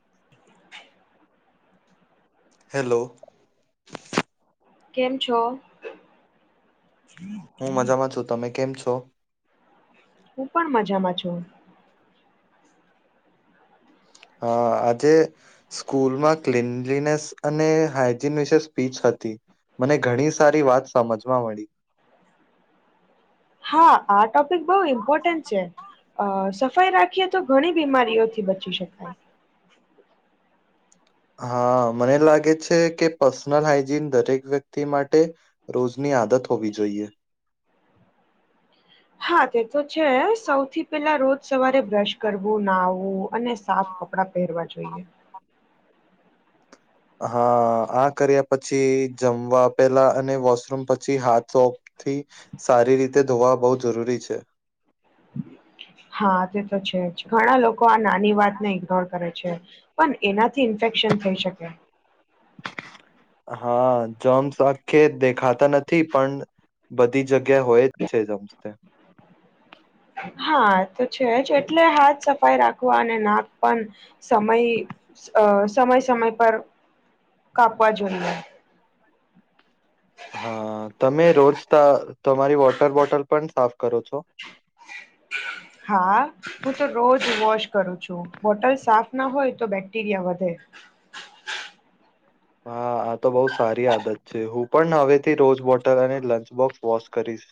[inaudible] Hello. કેમ છો. હું મજામાં છું. તમે કેમ છો? હું પણ મજામાં છું. હા આજે સ્કૂલમાં ક્લનલીનેસ અને હાઈજીન વિશે સ્પીચ હતી. મને ઘણી સારી વાત સમજવા મળી. હા આ ટોપિક બહુ ઇમ્પોર્ટન્ટ છે. સફાઈ રાખીએ તો તો ઘણી બીમારીઓથી બચી શકાય. હા મને લાગે છે કે પર્સનલ હાઈજીન દરેક વ્યક્તિ માટે રોજની આદત હોવી જોઈએ. હા તે તો છે. સૌથી પેલા રોજ સવારે બ્રશ કરવું નાહવું અને સાફ કપડા પહેરવા જોઈએ. હા આ કર્યા પછી જમવા પેલા અને વોશરૂમ પછી હાથ સોપ થી સારી રીતે ધોવા બહુ જરૂરી છે હા તે તો છે જ ઘણા લોકો આ નાની વાત ને ઈગ્નોર કરે છે. પણ એનાથી ઇન્ફેક્શન થઈ શકે હા જોમ્સ આખે દેખાતા નથી પણ બધી જગ્યા હોય જ છે. હા તો છે જ એટલે હાથ સફાઈ રાખવા અને નાક પણ સમય સમય સમય પર કાપવા જોઈએ. હા તમે રોજ ત તમારી વોટર બોટલ પણ સાફ કરો છો? [inaudible] [inaudible] [inaudible] હા હું તો રોજ વોશ કરું છું. બોટલ સાફ ના હોય તો બેક્ટેરિયા વધે. હા આ તો બઉ સારી આદત છે. હું પણ હવેથી રોઝ બોટર અને લંચ બોક્સ વોશ કરીશ.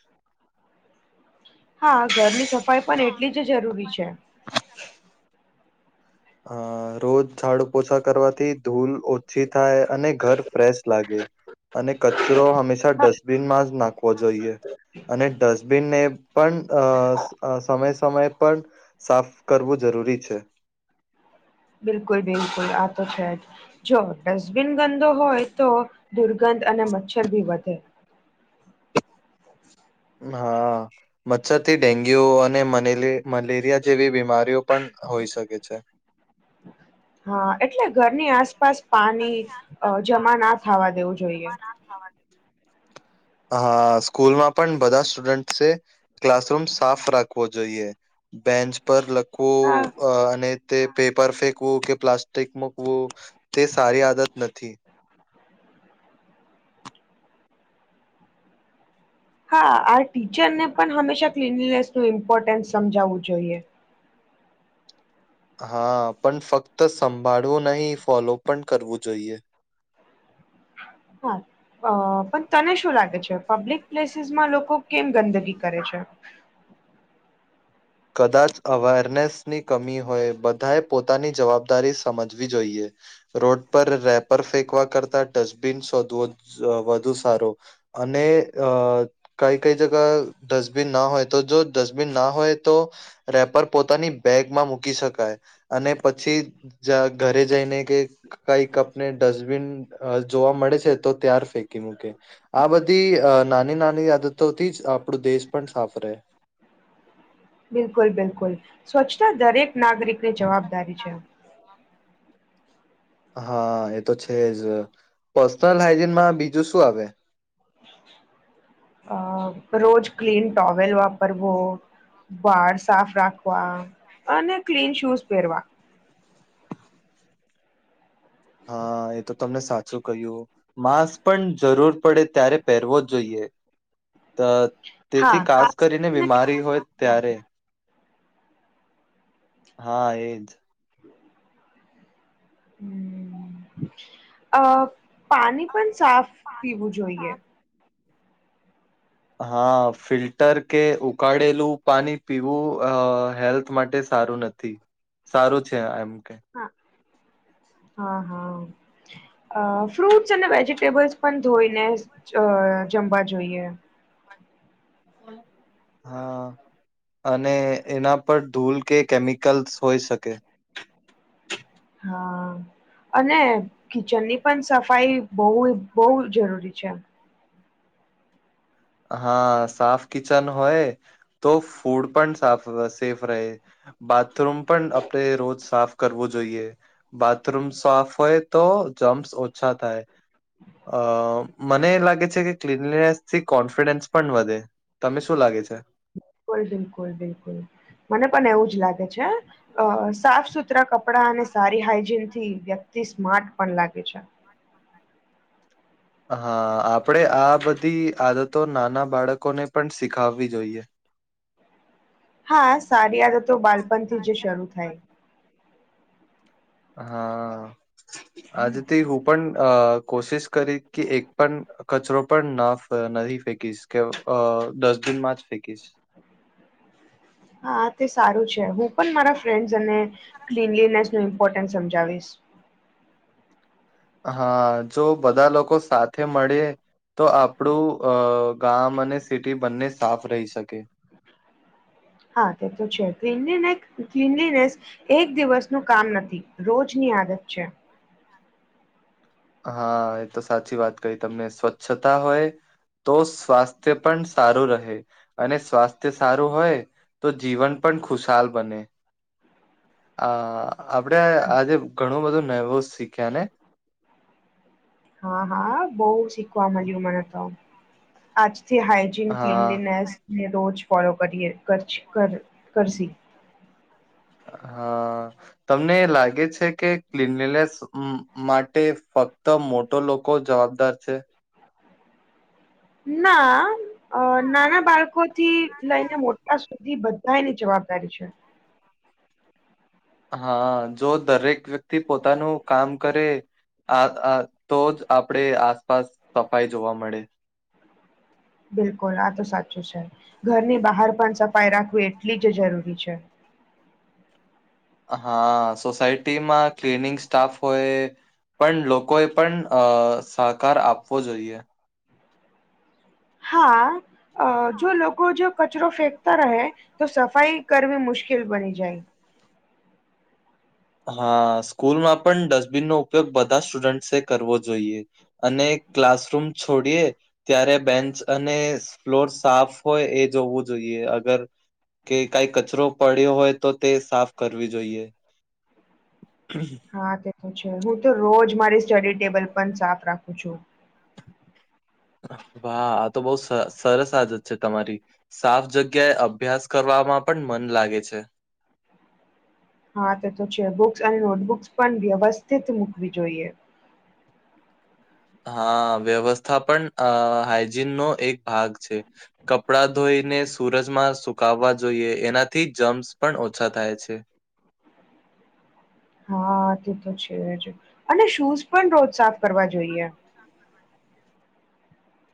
હા ઘરની સફાઈ પણ એટલી જ જરૂરી છે. અ રોજ ઝાડુ પોછા કરવાથી ધૂલ ઓછી થાય. અને ઘર ફ્રેશ લાગે. અને કચરો હંમેશા હા ડસ્ટબિનમાં જ નાખવો જોઈએ. અને ડસ્ટબિનને પણ અ સમય સમય પણ સાફ કરવું જરૂરી છે. બિલકુલ બિલકુલ આ તો છે જ. જો ડસ્ટબિન ગંદો હોય તો દુર્ગંધ અને મચ્છર ભી વધે. હા. મચ્છર થી ડેન્ગ્યુ અને મ મલેરિયા જેવી બીમારીઓ પણ હોઈ શકે છે. હા એટલે ઘરની આસપાસ પાણી જમા ના થવા દેવું જોઈએ. હા સ્કૂલમાં પણ બધા સ્ટુડન્ટ છે. ક્લાસરૂમ સાફ રાખવો જોઈએ. બેન્ચ પર હા બલખવું અને તે પેપર ફેંકવું કે પ્લાસ્ટિક મૂકવું તે સારી આદત નથી હા આ ટીચરને પણ હંમેશા ક્લીનનેસ નું ઇમ્પોર્ટન્સ સમજાવવું જોઈએ હા પણ ફક્ત સંભાળવું નહીિ ફોલો પણ કરવું જોઈએ હા અ પણ તને શું લાગે છે પબ્લિક પ્લેસીસમાં લોકો કેમ ગંદગી કરે છે કદાચ અવેરનેસની કમી હોય બધાએ પોતાની જવાબદારી સમજવી જોઈએ. રોડ પર રેપર ફેંકવા કરતા ડસ્ટબિન શોધવો વધુ સારો. અને અ કઈ કઈ જગ ડસ્ટબિન ના હોય તો જો ડસ્ટબિન ના હોય તો રેપર પોતાની બેગમાં મૂકી શકાય અને પછી જ ઘરે જઈને કે કઈકપને ડસ્ટબિન જોવા મળે છે તો ત્યાર ફેંકી મૂકે. આ બધી નાની નાની આદતોથી જ આપણું દેશ પણ સાફ રહે. બિલકુલ બિલકુલ સ્વચ્છતા દરેક નાગરિક ની જવાબદારી છે. હા એ તો છે જ પર્સનલ હાઈજીનમાં બીજું શું આવે? [inaudible] [unintelligible] અ રોજ ક્લીન ટોવલ વાપરવો. વાળ સાફ રાખવા અને ક્લીન શૂઝ પહેરવા હા એ તો તમને સાચું કહ્યું માસ્ક પણ જરૂર પડે ત્યારે પહેરવો જ જોઈએ. અ તેથી ખાસ કરીને બીમારી હોય ત્યારે હા એજ. અ પાણી પણ સાફ પીવું જોઈએ. હા ફિલ્ટર કે ઉકાળેલું પાણી પીવું અ હેલ્થ માટે સારું નથી સારું છે એમ કે. હા હા હા. અ ફ્રૂટ્સ અને વેજીિટેબલ્સ પણ ધોઈને જમવા જોઈએ. હા. અને એના પર ધૂલ કે કેમિકલ્સ હોય શકે. હા. અને કિચનની પણ સફાઈ બહ બહુ જરૂરી છે. હા સાફ કિચન હોય. તો ફૂડ પણ સાફ સેફ રહે બાથરૂમ પણ આપણે રોજ સાફ. કરવું જોઈએ બાથરૂમ સાફ હોય તો જમ્સ ઓછા થાય. અ મને લાગે છે કે ક્લીનનેસથી કોન્ફિડન્સ પણ વધે તને શું લાગે છે? બિલકુલ બિલકુલ બિલકુલ મને પણ એવું જ લાગે છે. અ સાફ સુથરા કપડા અને સારી હાઈજીન થી વ્યક્તિ સ્માર્ટ પણ લાગે છે. હા આપડે આ બધી આદતો નાના બાળકોને પણ શીખાવવી જોઈએ. હા સારી આદતો બાળપણ થી જ શરૂ થાય. હા આજથી હું પણ કોશિશ કરી કે એક પણ કચરો પણ ના નથી ફેંકીશ કે અ દસ દિનમાં જ ફેંકીશ. હા તે સારું છે હું પણ મારા ફ્રેન્ડસને ક્લીનલીનેસ નું ઇમ્પોર્ટન્સ સમજાવીશ. હા જો બધા લોકો સાથે મળે તો આપણું અ ગામ અને સિટી બંને સાફ રહી શકે. હા તે તો છે ક્રીનનેક ક્લીનીનેસ એક દિવસ નું કામ નથી રોજની આદત છે. હા એ તો સાચી વાત કહી તમને સ્વચ્છતા હોય. તો સ્વાસ્થ્ય પણ સારું રહે. અને સ્વાસ્થ્ય સારું હોય તો જીવન પણ ખુશાલ બને. અ આપડે આજે ઘણું બધું નવું શીખ્યા ને? હા હા બહું શીખવા મળ્યું મને તો આજથી હાય જિન હા ક્લીનલીનેસને રોજ ફોલો કરીએ કચ કર કરસી. હા. તમને લાગે છે, કે ક્લીનલીનેસ મ મ‌ માટે ફક્ત તો મોટો લોકો જવાબદાર છે. ના અ નાના બાળકો થી લઈને મોટા સુ જી બધા એની જવાબદારી છે. હા જો દરેક વ્યક્તિ પોતાનું કામ કરે આ આ તો જ આપડે આસપાસ સફાઈ જોવા મળે બિલકુલ આ તો સાચું છે, ઘરની બહાર પણ સફાઈ રાખવી એટલી જ જરૂરી છે. હા સોસાયટીમાં ક્લનિંગ સ્ટાફ હોય પણ લોકોએ પણ અ સહકાર આપવો જોઈએ હા. અ જો લોકો જો કચરો ફેંકતા રહે તો સફાઈ કરવી મુશ્કેલ બની જાય. હા સ્કૂલમાં પણ ડસ્ટબિન નો ઉપયોગ બધા સ્ટુડન્ટસે કરવો જોઈએ. અને ક્લાસરૂમ છોડીએ ત્યારે બેન્ચ અને ફ્લોર સાફ હોય એ જોવું જોઈએ અગર કે કઈ કચરો પડ્યો હોય તો તે સાફ કરવી જોઈએ. [unintelligible] [inaudible] હા તે તો છે, હું તો રોજ મારી સ્ટડી ટેબલ પણ સાફ રાખું છું. વાહ આ તો બહુ સ સરસ આદત છે, તમારી. સાફ જગ્યાએ અભ્યાસ કરવામાં પણ મન લાગે છે. હા તે તો છે, બુક્સ અને નોટબુક્સ પણ વ્યવસ્થિત મૂકવી જોઈએ. હા વ્યવસ્થા પણ અ હાઈજીન નો એક ભાગ છે. કપડાં ધોઈને સૂરજમાં સુકાવવા જોઈએ એનાથી જમ્સ પણ ઓછા થાય છે. હા તે તો છે, જ અને શૂઝ પણ રોજ સાફ કરવા જોઈએ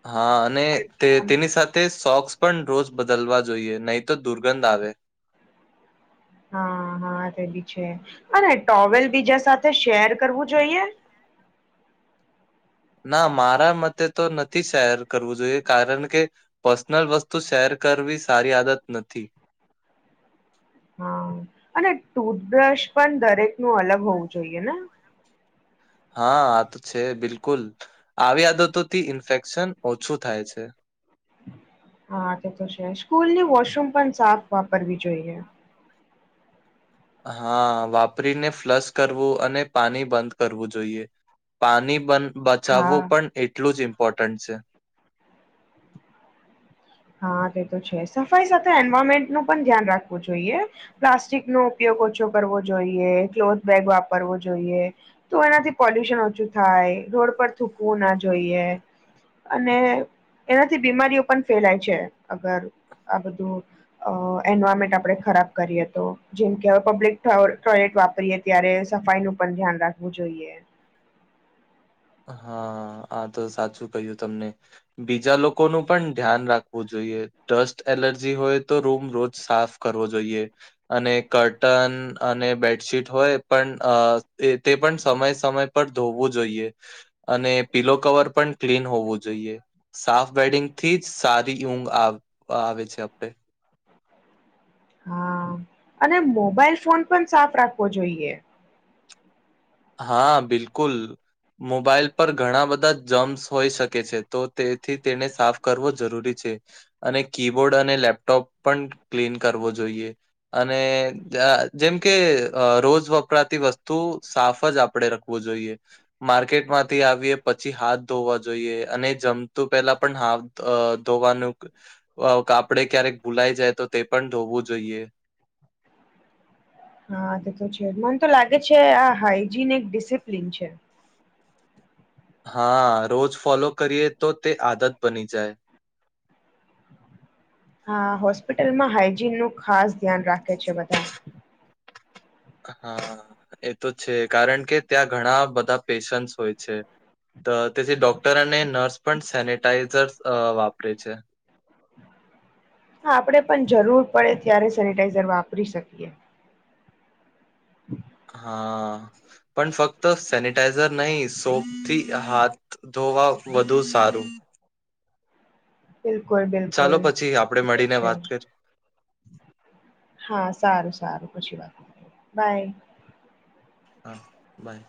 હા અને તે તેની સાથે જ સોક્સ પણ રોજ બદલવા જોઈએ નહી તો દુર્ગંધ આવે હા હા તે બી છે, અને ટોવેલ બીજા સાથે શેર કરવું જોઈએ ના મારા મતે તો નથી શહેર કરવું જોઈએ કારણ કે પર્સનલ વસ્તુ શેર કરવી સારી આદત નથી. હા અને ટુથબ્રશ પણ દરેક નું અલગ હોવું જોઈએ ને? હા આ તો છે, બિલકુલ આવી આદતોથી ઇન્ફેક્શન ઓછું થાય છે. હા તે તો છે, સ્કૂલ ની વોશરૂમ પણ સાફ વાપરવી જોઈએ. હા વાપરીને ફ્લશ કરવું અને પાણી બંધ કરવું જોઈએ. પાણી પન હા બચાવવું પણ એટલું જજ ઇમ્પોર્ટન્ટ છે. હા તે તો છે, સફાઈ સાથે એન્વાયરમેન્ટ નું પણ ધ્યાન રાખવું જોઈએ. પ્લાસ્ટિક નો ઉપયોગ ઓછો કરવો જોઈએ ક્લોથ બેગ વાપરવો જોઈએ. તો એનાથી પોલ્યુશન ઓછું થાય રોડ પર થૂકવું ના જોઈએ. અને એનાથી બીમારીઓ પણ ફેલાય છે, અગર આ બધું અ એન્વાયરમેન્ટ આપડે ખરાબ કરીએ તો જેમ કે હવે પબ્લિક ટોયલેટ વાપરીએ ત્યારે સફાઈ નું પણ ધ્યાન રાખવું જોઈએ. હા આ તો સાચું કહ્યું તમને. બીજા લોકોનું પણ ધ્યાન રાખવું જોઈએ ડસ્ટ એલર્જી હોય તો રૂમ રોજ સાફ કરવો જોઈએ. અને કરટન અને બેડશીટ હોય પણ તે પણ સમય સમય પર ધોવું જોઈએ અને પીલો કવર પણ ક્લીન હોવું જોઈએ. સાફ બેડિંગથી જ સારી ઊંઘ આ આવે છે, આપણે હા અને મોબાઈલ ફોન પણ સાફ રાખવો જોઈએ. હા બિલકુલ મોબાઈલ પર ઘણા બધા જમ્સ હોઈ શકે છે. તો તેથી તેને સાફ કરવો જરૂરી છે. અને કીબોર્ડ અને લેપટોપ પણ ક્લીન કરવો જોઈએ. અને [unintelligible] જેમ કે રોજ વપરાતી વસ્તુ સાફ [unintelligible] જ આપડણે રખવું જોઈએ. માર્કેટમાંથી આવીએ પછી હાથ ધોવા જોઈએ અને જમતું પેલા પણ હાથ‌ અ ધોવાનું કાપડે ક્યારેક ભૂલાઈ જાય તો તે પણ ધોવું જોઈએ. હા તે તો છે મને તો લાગે છે આ હાઈજીન એક ડિસિપ્લીન છે. હા રોજ ફોલો કરીએ તો તે આદત બની જાય. હા હોસ્પિટલમાં હાઈજીન નું ખાસ ધ્યાન રાખે છે બધા. હા એ તો છે કારણ કે ત્યાં ઘણા બધા પેશન્સ હોય છે. ત તેથી ડોક્ટર અને નર્સ પણ સેનટાઈઝર અ વાપરે છે. હા આપણે પણ જરૂર પડે ત્યારે સેનિટાઈઝર વાપરી શકીએ. હમ [inaudible] [inaudible] હા પણ ફક્ત સેનિટાઈઝર નહી સોપ થી હાથ ધોવા વધુ સારું. બિલકુલ બિલકુલ ચાલો પછી આપડે એ ત મળીને છે. વાત કરીએ હા સારું સારું પછી વાત બાય. હા બાય